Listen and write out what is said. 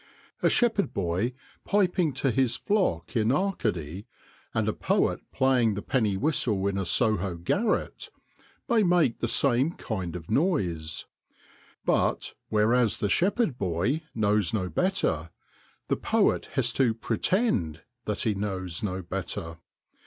A shepherd boy piping to his flock in Arcady and a poet playing the penny whistle in a Soho garret may make the same kind of noise ; but whereas the shepherd boy knows no better, the poet has to pretend that he knows no better.